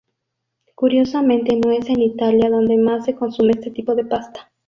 Curiosamente no es en Italia donde más se consume este tipo de pasta.